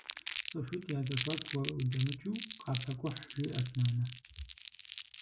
Цӏыхуитӏ язэхуаку удэмыкӏыу, къапэкӏухь, жиӏэрт нанэ.